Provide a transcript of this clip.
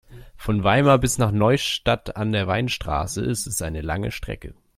Von Weimar bis nach Neustadt an der Weinstraße ist es eine lange Strecke